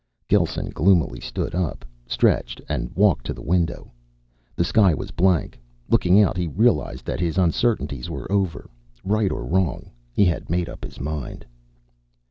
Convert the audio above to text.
Gelsen gloomily stood up, stretched, and walked to the window. The sky was blank. Looking out, he realized that his uncertainties were over. Right or wrong, he had made up his mind.